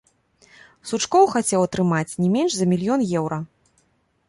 Сучкоў хацеў атрымаць не менш за мільён еўра.